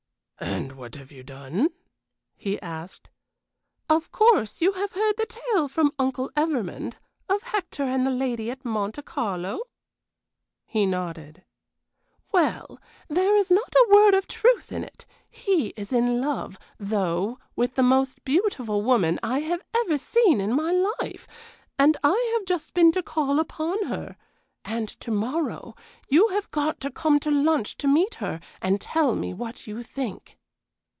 "And what have you done?" he asked. "Of course you have heard the tale from Uncle Evermond, of Hector and the lady at Monte Carlo?" He nodded. "Well, there is not a word of truth in it; he is in love, though, with the most beautiful woman I have ever seen in my life and I have just been to call upon her. And to morrow you have got to come to lunch to meet her and tell me what you think."